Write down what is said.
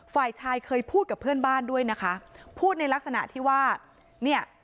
ฝ่ายชายเคยพูดกับเพื่อนบ้านด้วยนะคะพูดในลักษณะที่ว่าเนี่ย